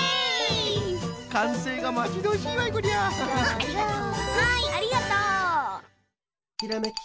ありがとう！